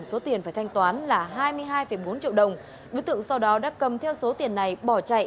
số tiền phải thanh toán là hai mươi hai bốn triệu đồng đối tượng sau đó đã cầm theo số tiền này bỏ chạy